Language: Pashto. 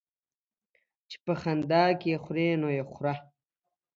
چي په خندا کې خورې ، نو يې خوره.